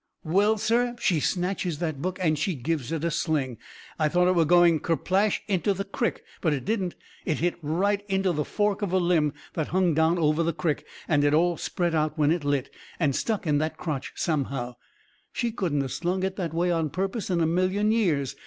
Well, sir, she snatches that book and she gives it a sling. I thought it was going kersplash into the crick. But it didn't. It hit right into the fork of a limb that hung down over the crick, and it all spread out when it lit, and stuck in that crotch somehow. She couldn't of slung it that way on purpose in a million years.